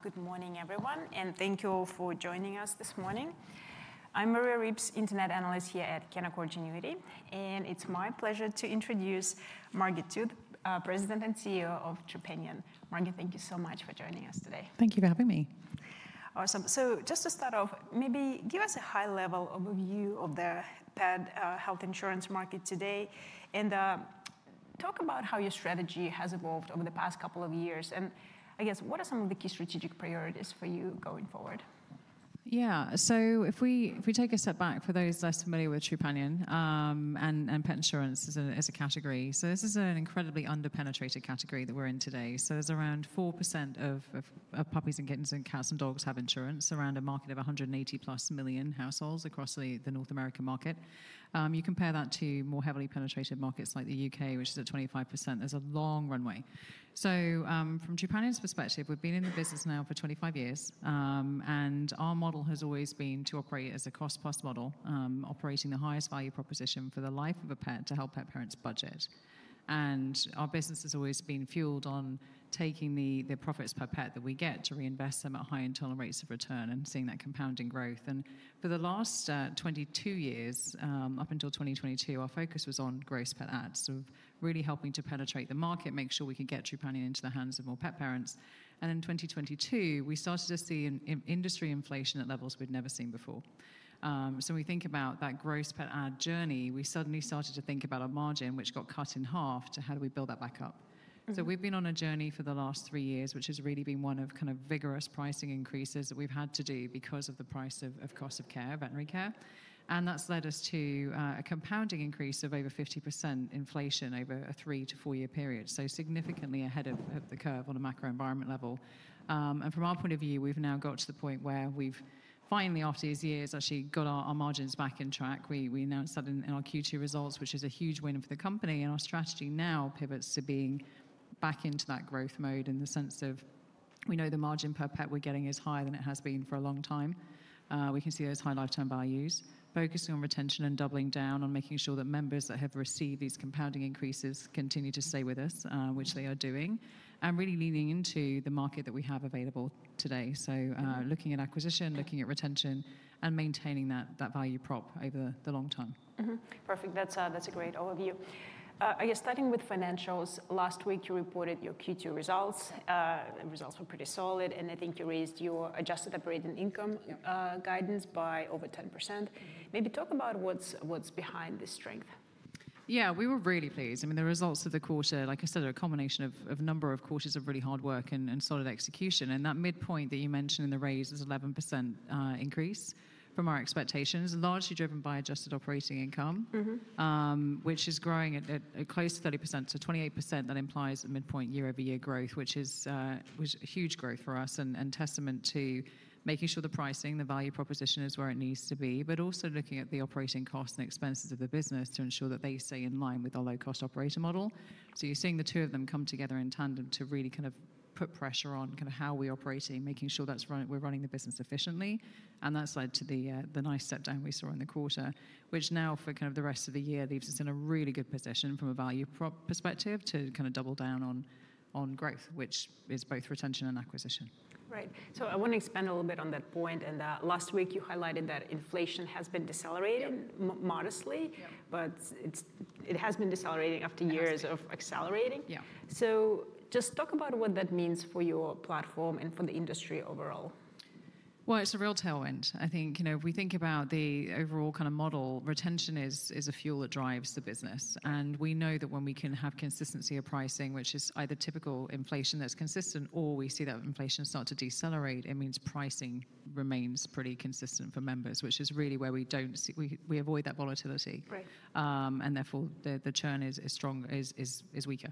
Good morning, everyone, and thank you all for joining us this morning. I'm Maria Ripps, Internet Analyst here at Canaccord Genuity, and it's my pleasure to introduce Margaret Tooth, President and CEO of Trupanion. Margaret, thank you so much for joining us today. Thank you for having me. Awesome. Just to start off, maybe give us a high-level overview of the pet health insurance market today and talk about how your strategy has evolved over the past couple of years. I guess, what are some of the key strategic priorities for you going forward? Yeah, so if we take a step back, for those less familiar with Trupanion and pet insurance as a category, this is an incredibly underpenetrated category that we're in today. There's around 4% of puppies and kittens and cats and dogs have insurance, around a market of 180+ million households across the North American market. You compare that to more heavily penetrated markets like the UK, which is at 25%. There's a long runway. From Trupanion's perspective, we've been in the business now for 25 years, and our model has always been to operate as a cost-plus model, operating the highest value proposition for the life of a pet to help pet parents budget. Our business has always been fueled on taking the profits per pet that we get to reinvest them at high internal rates of return and seeing that compounding growth. For the last 22 years, up until 2022, our focus was on gross pet ads, really helping to penetrate the market, make sure we could get Trupanion into the hands of more pet parents. In 2022, we started to see industry inflation at levels we'd never seen before. When we think about that gross pet ad journey, we suddenly started to think about our margin, which got cut in half, to how do we build that back up? We've been on a journey for the last three years, which has really been one of kind of vigorous pricing increases that we've had to do because of the price of cost of care, veterinary care. That's led us to a compounding increase of over 50% inflation over a three to four-year period, significantly ahead of the curve on a macro environment level. From our point of view, we've now got to the point where we've finally, after these years, actually got our margins back on track. We announced that in our Q2 results, which is a huge win for the company, and our strategy now pivots to being back into that growth mode in the sense of we know the margin per pet we're getting is higher than it has been for a long time. We can see those high lifetime values, focusing on retention and doubling down on making sure that members that have received these compounding increases continue to stay with us, which they are doing, and really leaning into the market that we have available today. Looking at acquisition, looking at retention, and maintaining that value prop over the long term. Perfect. That's a great overview. I guess, starting with financials, last week you reported your Q2 results. The results were pretty solid, and I think you raised your adjusted operating income guidance by over 10%. Maybe talk about what's behind this strength. Yeah, we were really pleased. I mean, the results of the quarter, like I said, are a combination of a number of quarters of really hard work and solid execution. That midpoint that you mentioned in the raise was an 11% increase from our expectations, largely driven by adjusted operating income, which is growing at close to 30%, so 28%. That implies a midpoint year-over-year growth, which is huge growth for us and testament to making sure the pricing, the value proposition is where it needs to be, but also looking at the operating costs and expenses of the business to ensure that they stay in line with our low-cost operating model. You're seeing the two of them come together in tandem to really kind of put pressure on kind of how we're operating, making sure that we're running the business efficiently. That's led to the nice step down we saw in the quarter, which now for kind of the rest of the year leaves us in a really good position from a value prop perspective to kind of double down on growth, which is both retention and acquisition. Right. I want to expand a little bit on that point. Last week, you highlighted that inflation has been decelerating modestly, but it has been decelerating after years of accelerating. Yeah. Talk about what that means for your platform and for the industry overall. It is a real tailwind. I think, you know, if we think about the overall kind of model, retention is a fuel that drives the business. We know that when we can have consistency of pricing, which is either typical inflation that's consistent, or we see that inflation starts to decelerate, it means pricing remains pretty consistent for members, which is really where we don't see, we avoid that volatility. Right. Therefore, the churn is weaker.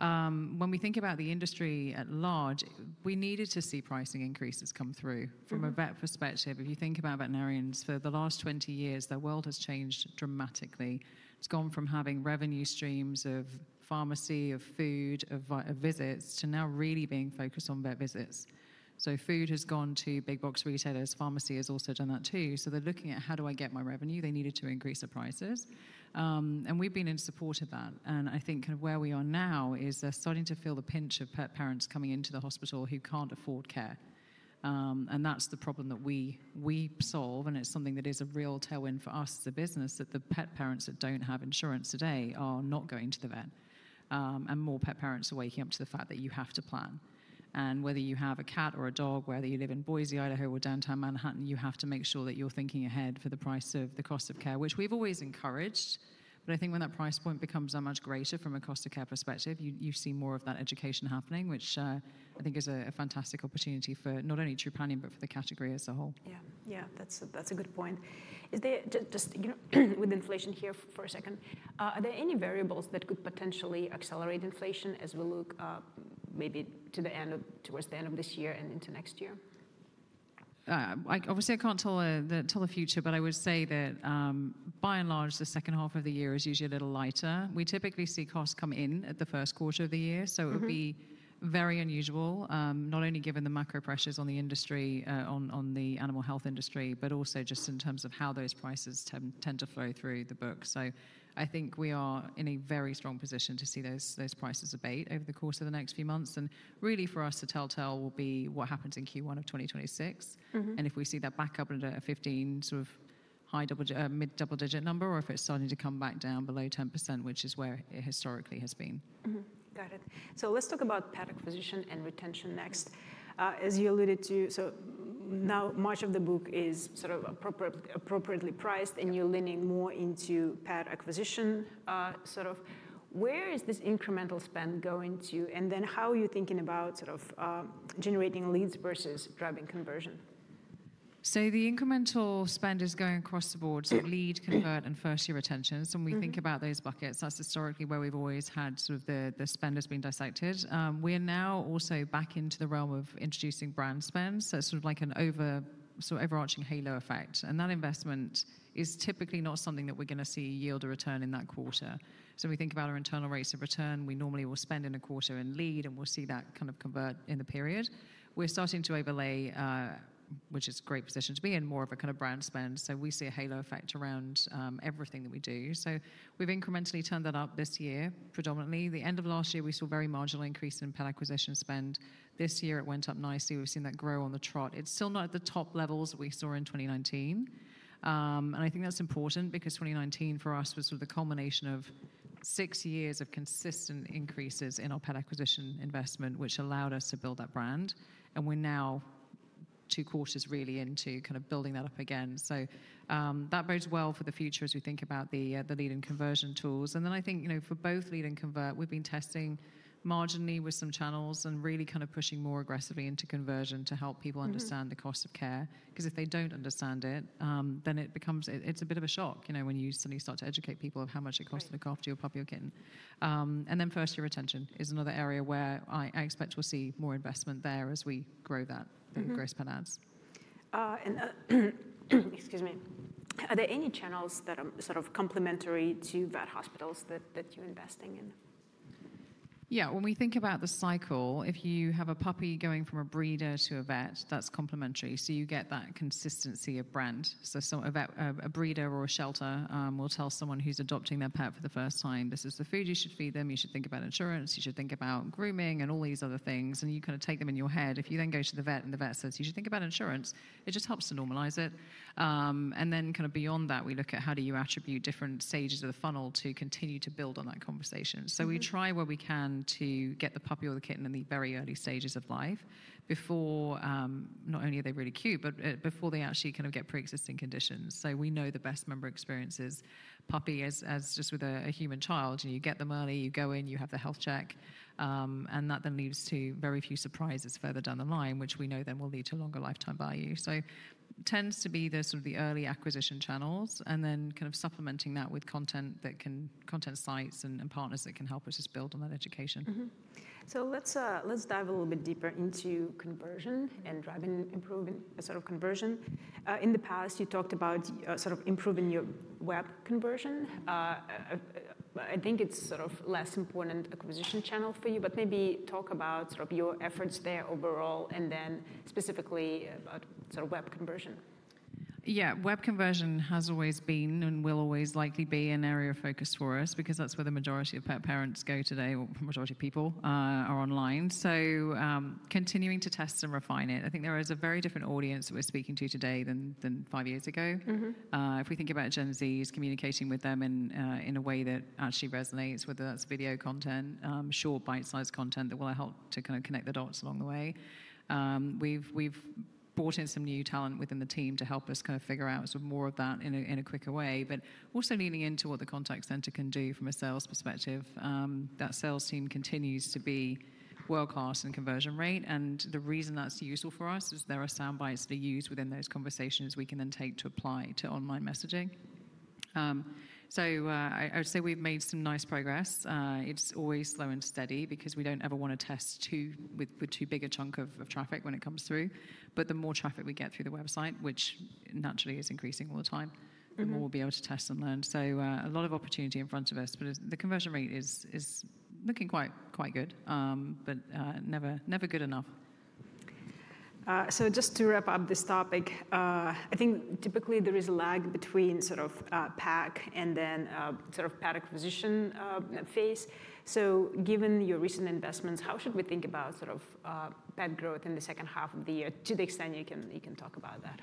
When we think about the industry at large, we needed to see pricing increases come through. From a vet perspective, if you think about veterinarians, for the last 20 years, the world has changed dramatically. It's gone from having revenue streams of pharmacy, of food, of visits, to now really being focused on vet visits. Food has gone to big box retailers. Pharmacy has also done that too. They're looking at how do I get my revenue. They needed to increase the prices. We've been in support of that. I think kind of where we are now is they're starting to feel the pinch of pet parents coming into the hospital who can't afford care. That's the problem that we solve, and it's something that is a real tailwind for us as a business, that the pet parents that don't have insurance today are not going to the vet. More pet parents are waking up to the fact that you have to plan. Whether you have a cat or a dog, whether you live in Boise, Idaho, or downtown Manhattan, you have to make sure that you're thinking ahead for the price of the cost of care, which we've always encouraged. I think when that price point becomes that much greater from a cost of care perspective, you see more of that education happening, which I think is a fantastic opportunity for not only Trupanion, but for the category as a whole. Yeah, that's a good point. Is there just, you know, with inflation here for a second, are there any variables that could potentially accelerate inflation as we look maybe to the end of, towards the end of this year and into next year? Obviously, I can't tell the future, but I would say that by and large, the second half of the year is usually a little lighter. We typically see costs come in at the first quarter of the year. It would be very unusual, not only given the macro pressures on the industry, on the animal health industry, but also just in terms of how those prices tend to flow through the book. I think we are in a very strong position to see those prices abate over the course of the next few months. Really for us, the tell will be what happens in Q1 of 2026. If we see that back up into a 15% sort of high double digit, mid double digit number, or if it's starting to come back down below 10%, which is where it historically has been. Got it. Let's talk about pet acquisition and retention next. As you alluded to, now much of the book is sort of appropriately priced, and you're leaning more into pet acquisition. Where is this incremental spend going to, and how are you thinking about generating leads versus driving conversion? The incremental spend is going across the board: lead, convert, and first-year retentions. We think about those buckets. That's historically where we've always had sort of the spend has been dissected. We are now also back into the realm of introducing brand spend. It's sort of like an overarching halo effect. That investment is typically not something that we're going to see yield a return in that quarter. We think about our internal rates of return. We normally will spend in a quarter in lead, and we'll see that kind of convert in the period. We're starting to overlay, which is a great position to be in, more of a kind of brand spend. We see a halo effect around everything that we do. We've incrementally turned that up this year predominantly. The end of last year, we saw a very marginal increase in pet acquisition spend. This year, it went up nicely. We've seen that grow on the trot. It's still not at the top levels that we saw in 2019. I think that's important because 2019 for us was sort of the culmination of six years of consistent increases in our pet acquisition investment, which allowed us to build that brand. We're now two quarters really into kind of building that up again. That bodes well for the future as we think about the lead and conversion tools. For both lead and convert, we've been testing marginally with some channels and really kind of pushing more aggressively into conversion to help people understand the cost of care. If they don't understand it, then it becomes, it's a bit of a shock, you know, when you suddenly start to educate people of how much it costs to look after your puppy or kitten. First-year retention is another area where I expect we'll see more investment there as we grow that gross pet ads. Excuse me, are there any channels that are sort of complementary to vet hospitals that you're investing in? Yeah, when we think about the cycle, if you have a puppy going from a breeder to a vet, that's complementary. You get that consistency of brand. A breeder or a shelter will tell someone who's adopting their pet for the first time, this is the food you should feed them. You should think about insurance. You should think about grooming and all these other things. You kind of take them in your head. If you then go to the vet and the vet says, you should think about insurance, it just helps to normalize it. Beyond that, we look at how do you attribute different stages of the funnel to continue to build on that conversation. We try where we can to get the puppy or the kitten in the very early stages of life before, not only are they really cute, but before they actually kind of get pre-existing conditions. We know the best member experience is puppy as just with a human child. You get them early, you go in, you have the health check. That then leads to very few surprises further down the line, which we know then will lead to longer lifetime value. It tends to be the sort of the early acquisition channels and then supplementing that with content that can, content sites and partners that can help us just build on that education. Let's dive a little bit deeper into conversion and driving improvement, sort of conversion. In the past, you talked about sort of improving your web conversion. I think it's sort of a less important acquisition channel for you, but maybe talk about sort of your efforts there overall and then specifically about sort of web conversion. Yeah, web conversion has always been and will always likely be an area of focus for us because that's where the majority of pet parents go today, or for the majority of people, are online. Continuing to test and refine it, I think there is a very different audience that we're speaking to today than five years ago. If we think about Gen Zs, communicating with them in a way that actually resonates, whether that's video content, short bite-sized content that will help to kind of connect the dots along the way. We've brought in some new talent within the team to help us kind of figure out sort of more of that in a quicker way, but also leaning into what the contact center can do from a sales perspective. That sales team continues to be world-class in conversion rate. The reason that's useful for us is there are sound bites to use within those conversations we can then take to apply to online messaging. I'd say we've made some nice progress. It's always slow and steady because we don't ever want to test with too big a chunk of traffic when it comes through. The more traffic we get through the website, which naturally is increasing all the time, the more we'll be able to test and learn. A lot of opportunity in front of us, but the conversion rate is looking quite good, but never good enough. Just to wrap up this topic, I think typically there is a lag between sort of PAC and then sort of pet acquisition phase. Given your recent investments, how should we think about sort of pet growth in the second half of the year to the extent you can talk about that?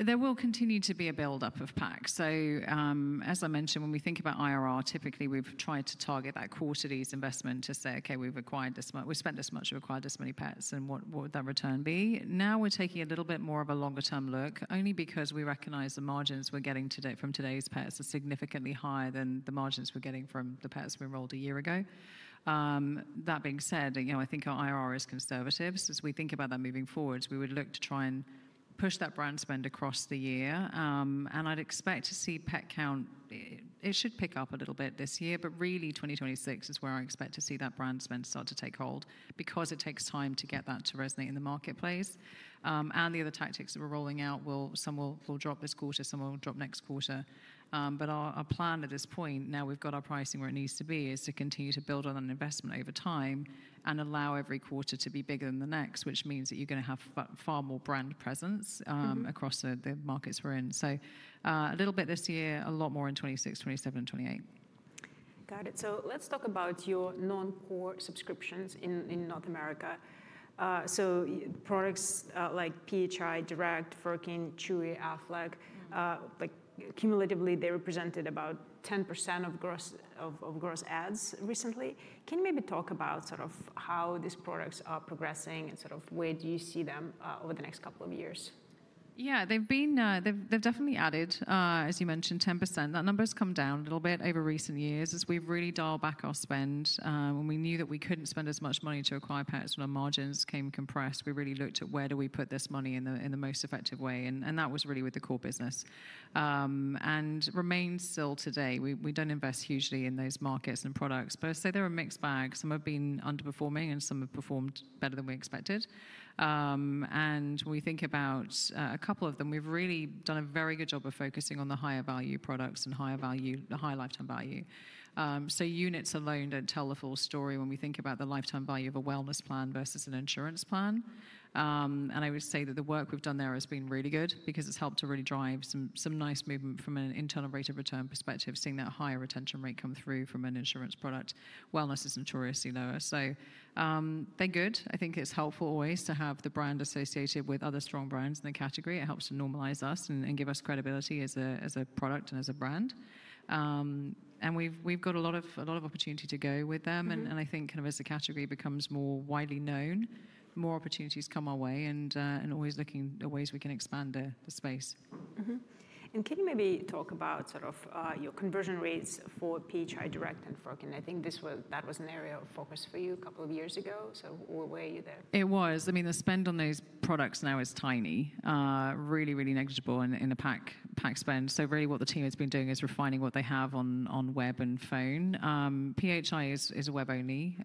There will continue to be a build-up of PAC. As I mentioned, when we think about IRR, typically we've tried to target that quarterly investment to say, okay, we've acquired this much, we spent this much, we acquired this many pets, and what would that return be? Now we're taking a little bit more of a longer-term look, only because we recognize the margins we're getting today from today's pets are significantly higher than the margins we're getting from the pets we enrolled a year ago. That being said, I think our IRR is conservative. As we think about that moving forward, we would look to try and push that brand spend across the year. I'd expect to see pet count, it should pick up a little bit this year, but really 2026 is where I expect to see that brand spend start to take hold because it takes time to get that to resonate in the marketplace. The other tactics that we're rolling out, some will drop this quarter, some will drop next quarter. Our plan at this point, now we've got our pricing where it needs to be, is to continue to build on an investment over time and allow every quarter to be bigger than the next, which means that you're going to have far more brand presence across the markets we're in. A little bit this year, a lot more in 2026, 2027, and 2028. Got it. Let's talk about your non-core subscriptions in North America. Products like PHI Direct, Forkin, Chewy, and Aflac cumulatively represented about 10% of gross ads recently. Can you maybe talk about how these products are progressing and where you see them over the next couple of years? Yeah, they've definitely added, as you mentioned, 10%. That number's come down a little bit over recent years as we've really dialed back our spend. When we knew that we couldn't spend as much money to acquire pets when our margins came compressed, we really looked at where do we put this money in the most effective way. That was really with the core business and remains still today. We don't invest hugely in those markets and products. I'd say they're a mixed bag. Some have been underperforming and some have performed better than we expected. When we think about a couple of them, we've really done a very good job of focusing on the higher value products and higher value, the high lifetime value. Units alone don't tell the full story when we think about the lifetime value of a wellness plan versus an insurance plan. I would say that the work we've done there has been really good because it's helped to really drive some nice movement from an internal rate of return perspective, seeing that higher retention rate come through from an insurance product. Wellness is notoriously lower. They're good. I think it's helpful always to have the brand associated with other strong brands in the category. It helps to normalize us and give us credibility as a product and as a brand. We've got a lot of opportunity to go with them. I think as the category becomes more widely known, more opportunities come our way and always looking at ways we can expand the space. Can you maybe talk about your conversion rates for PHI Direct and Forkin? I think that was an area of focus for you a couple of years ago. Where are you there? It was. I mean, the spend on those products now is tiny, really, really negligible in the PAC spend. What the team has been doing is refining what they have on web and phone. PHI Direct is a web-only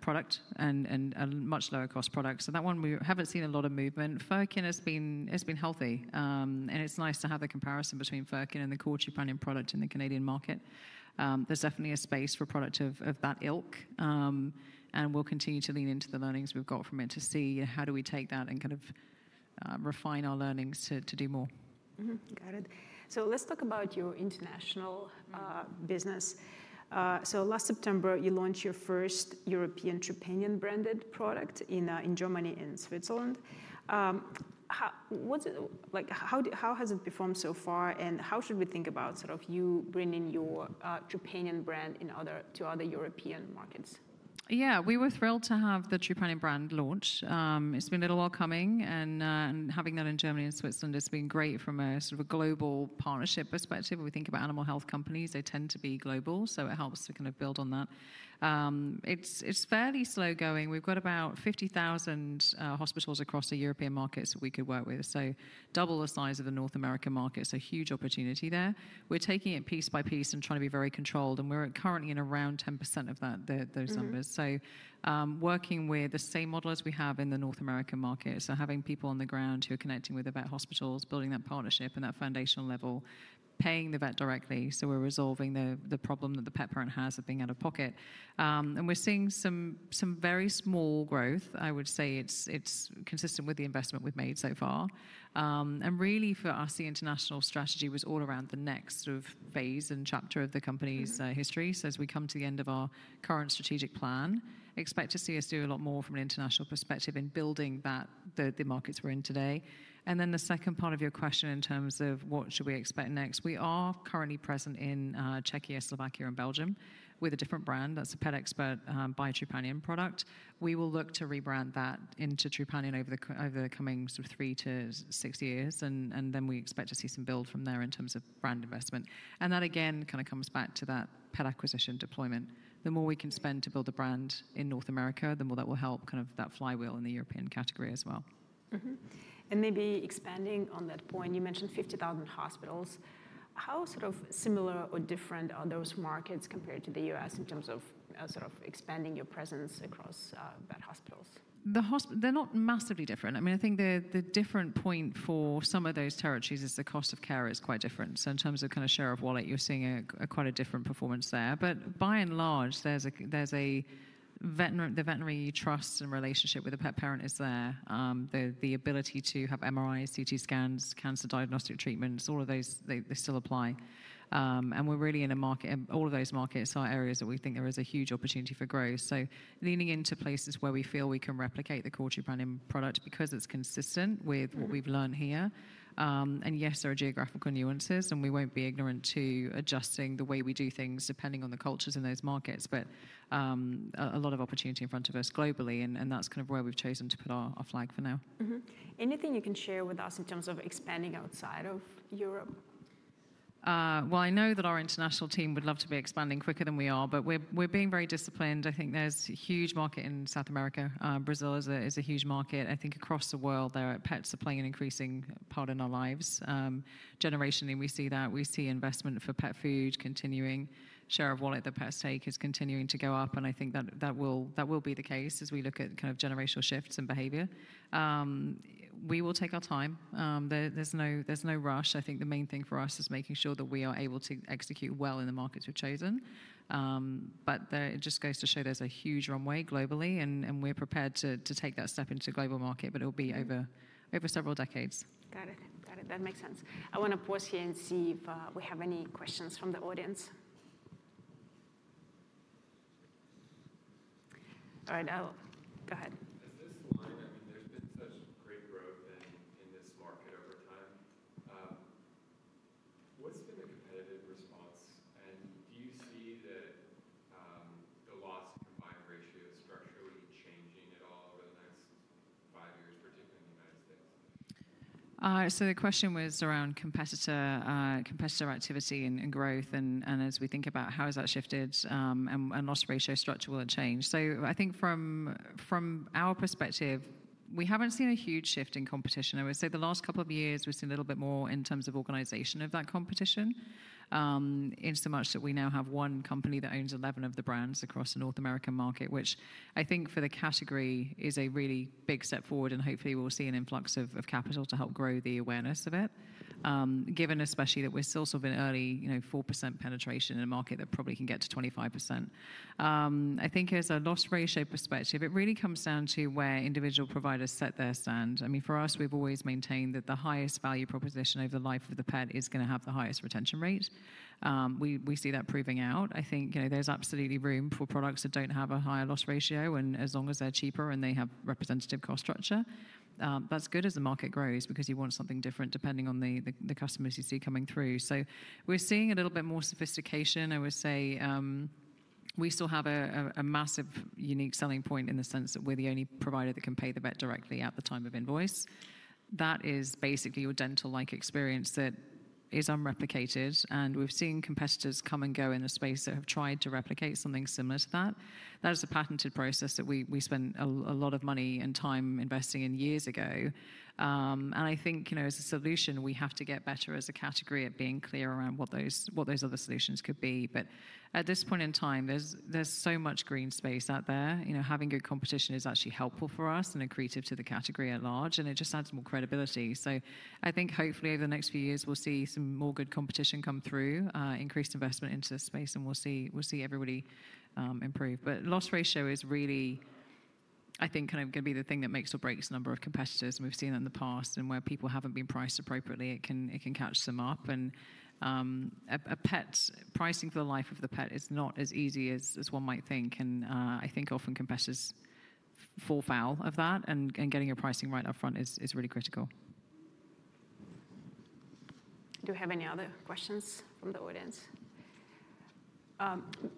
product and a much lower cost product. That one we haven't seen a lot of movement. Furkin has been healthy, and it's nice to have the comparison between Furkin and the core Trupanion product in the Canadian market. There's definitely a space for a product of that ilk. We'll continue to lean into the learnings we've got from it to see how do we take that and kind of refine our learnings to do more. Got it. Let's talk about your international business. Last September, you launched your first European Trupanion-branded product in Germany and Switzerland. How has it performed so far, and how should we think about you bringing your Trupanion brand to other European markets? Yeah, we were thrilled to have the Trupanion brand launched. It's been a little while coming, and having that in Germany and Switzerland has been great from a sort of a global partnership perspective. When we think about animal health companies, they tend to be global, so it helps to kind of build on that. It's fairly slow going. We've got about 50,000 hospitals across the European markets that we could work with, so double the size of the North American market, so huge opportunity there. We're taking it piece by piece and trying to be very controlled. We're currently in around 10% of those numbers, working with the same model as we have in the North American market, having people on the ground who are connecting with the vet hospitals, building that partnership and that foundational level, paying the vet directly. We're resolving the problem that the pet parent has of being out of pocket. We're seeing some very small growth. I would say it's consistent with the investment we've made so far. Really for us, the international strategy was all around the next sort of phase and chapter of the company's history. As we come to the end of our current strategic plan, expect to see us do a lot more from an international perspective in building the markets we're in today. The second part of your question in terms of what should we expect next, we are currently present in Czechia, Slovakia, and Belgium with a different brand. That's a Pet Expert by Trupanion product. We will look to rebrand that into Trupanion over the coming sort of three to six years. We expect to see some build from there in terms of brand investment. That again kind of comes back to that pet acquisition deployment. The more we can spend to build a brand in North America, the more that will help kind of that flywheel in the European category as well. Expanding on that point, you mentioned 50,000 hospitals. How sort of similar or different are those markets compared to the U.S. in terms of expanding your presence across vet hospitals? They're not massively different. I mean, I think the different point for some of those territories is the cost of care is quite different. In terms of kind of share of wallet, you're seeing quite a different performance there. By and large, there's a veterinary trust and relationship with the pet parent is there. The ability to have MRIs, CT scans, cancer diagnostic treatments, all of those, they still apply. We're really in a market, all of those markets are areas that we think there is a huge opportunity for growth. Leaning into places where we feel we can replicate the core Trupanion product because it's consistent with what we've learned here. Yes, there are geographical nuances, and we won't be ignorant to adjusting the way we do things depending on the cultures in those markets. A lot of opportunity in front of us globally, and that's kind of where we've chosen to put our flag for now. Anything you can share with us in terms of expanding outside of Europe? I know that our international team would love to be expanding quicker than we are, but we're being very disciplined. I think there's a huge market in South America. Brazil is a huge market. I think across the world, pets are playing an increasing part in our lives. Generationally, we see that. We see investment for pet food continuing. Share of wallet that pets take is continuing to go up. I think that will be the case as we look at kind of generational shifts and behavior. We will take our time. There's no rush. The main thing for us is making sure that we are able to execute well in the markets we've chosen. It just goes to show there's a huge runway globally, and we're prepared to take that step into the global market, but it'll be over several decades. Got it. That makes sense. I want to pause here and see if we have any questions from the audience. All right, I'll. Go ahead. I mean, there's been such a great growth in this market over time. What's been the competitive response? Do you see the loss and buying ratio structurally changing at all over the next five years, particularly in the next? The question was around competitor activity and growth. As we think about how that has shifted, and loss ratio structurally changed, from our perspective, we haven't seen a huge shift in competition. I would say the last couple of years, we've seen a little bit more in terms of organization of that competition, in so much that we now have one company that owns 11 of the brands across the North American market, which I think for the category is a really big step forward. Hopefully, we'll see an influx of capital to help grow the awareness of it, given especially that we're still sort of in early, you know, 4% penetration in a market that probably can get to 25%. I think as a loss ratio perspective, it really comes down to where individual providers set their stand. For us, we've always maintained that the highest value proposition over the life of the pet is going to have the highest retention rate. We see that proving out. There's absolutely room for products that don't have a higher loss ratio, and as long as they're cheaper and they have representative cost structure, that's good as the market grows because you want something different depending on the customers you see coming through. We're seeing a little bit more sophistication. I would say we still have a massive unique selling point in the sense that we're the only provider that can pay the vet directly at the time of invoice. That is basically your dental-like experience that is unreplicated. We've seen competitors come and go in the space that have tried to replicate something similar to that. That is a patented process that we spent a lot of money and time investing in years ago. As a solution, we have to get better as a category at being clear around what those other solutions could be. At this point in time, there's so much green space out there. Having good competition is actually helpful for us and accretive to the category at large. It just adds more credibility. Hopefully, over the next few years, we'll see some more good competition come through, increased investment into the space, and we'll see everybody improve. Loss ratio is really, I think, kind of going to be the thing that makes or breaks the number of competitors. We've seen it in the past and where people haven't been priced appropriately, it can catch them up. Pet pricing for the life of the pet is not as easy as one might think. I think often competitors fall foul of that. Getting your pricing right up front is really critical. Do we have any other questions from the audience?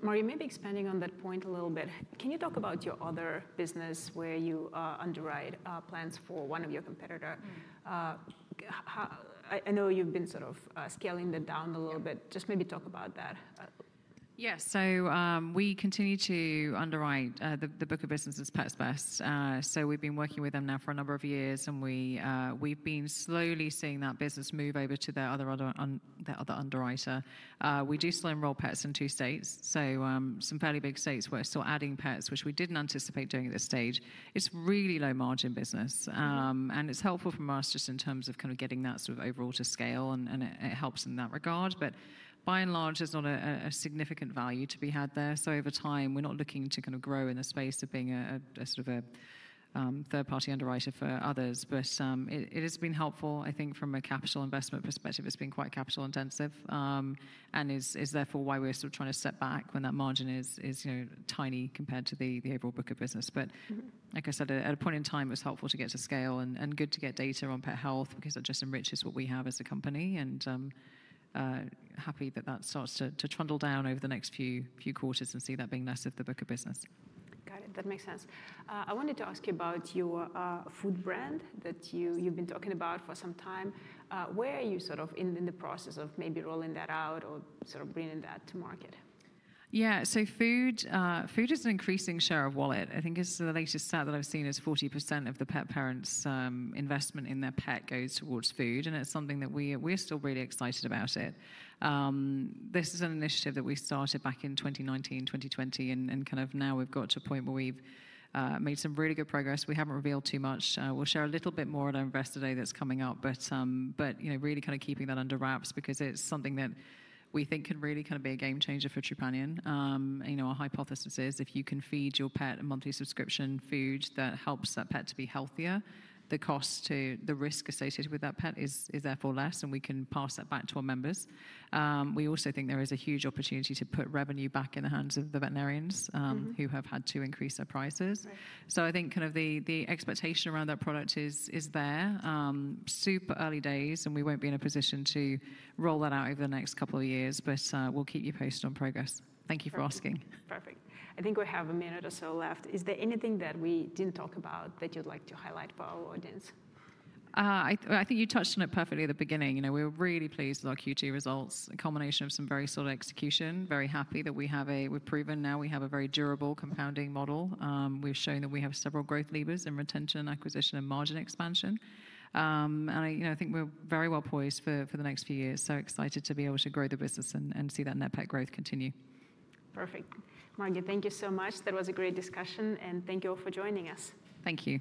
Maria, maybe expanding on that point a little bit, can you talk about your other business where you underwrite plans for one of your competitors? I know you've been sort of scaling that down a little bit. Just maybe talk about that. Yeah, we continue to underwrite the book of business for Pets Best. We've been working with them now for a number of years, and we've been slowly seeing that business move over to their other underwriter. We do still enroll pets in two states. Some fairly big states, we're still adding pets, which we didn't anticipate doing at this stage. It's really low margin business, and it's helpful for us just in terms of kind of getting that sort of overall to scale, and it helps in that regard. By and large, there's not a significant value to be had there. Over time, we're not looking to kind of grow in the space of being a sort of a third-party underwriter for others. It has been helpful, I think, from a capital investment perspective. It's been quite capital intensive, and it's therefore why we're sort of trying to step back when that margin is tiny compared to the overall book of business. Like I said, at a point in time, it's helpful to get to scale and good to get data on pet health because it just enriches what we have as a company. Happy that that starts to trundle down over the next few quarters and see that being less of the book of business. Got it. That makes sense. I wanted to ask you about your food brand that you've been talking about for some time. Where are you in the process of maybe rolling that out or bringing that to market? Yeah, so food is an increasing share of wallet. I think it's the latest stat that I've seen is 40% of the pet parents' investment in their pet goes towards food. It's something that we're still really excited about. This is an initiative that we started back in 2019, 2020, and now we've got to a point where we've made some really good progress. We haven't revealed too much. We'll share a little bit more at our invest today that's coming up, but really keeping that under wraps because it's something that we think can really be a game changer for Trupanion. Our hypothesis is if you can feed your pet a monthly subscription food that helps that pet to be healthier, the cost to the risk associated with that pet is therefore less, and we can pass that back to our members. We also think there is a huge opportunity to put revenue back in the hands of the veterinarians who have had to increase their prices. I think the expectation around that product is there. Super early days, and we won't be in a position to roll that out over the next couple of years, but we'll keep you posted on progress. Thank you for asking. Perfect. I think we have a minute or so left. Is there anything that we didn't talk about that you'd like to highlight for our audience? I think you touched on it perfectly at the beginning. We were really pleased with our Q2 results, a combination of some very solid execution, very happy that we've proven now we have a very durable compounding model. We've shown that we have several growth levers in retention, acquisition, and margin expansion. I think we're very well poised for the next few years, excited to be able to grow the business and see that net pet growth continue. Perfect. Margaret, thank you so much. That was a great discussion, and thank you all for joining us. Thank you.